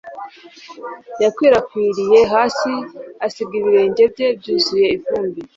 yakwirakwiriye hasi, asiga ibirenge bye byuzuye ivumbi